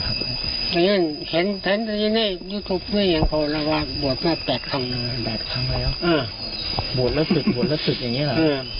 ๘ครั้งเลยหรอบวชละสุดบวชละสุดอย่างนี้หรอ